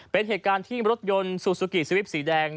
เป็นเหตุการณ์ที่รถยนต์ซูซูกิสวิปสีแดง